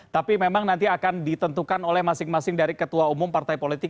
tapi memang nanti akan ditentukan oleh masing masing dari ketua umum partai politik